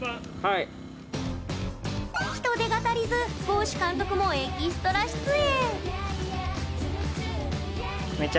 人手が足りずｇｏ‐ｓｈｕ監督もエキストラ出演！